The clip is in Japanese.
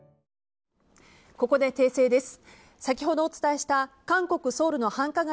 ここで訂正です。